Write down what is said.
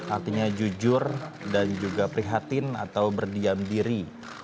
artinya jujur dan juga prihatin atau berdiam diri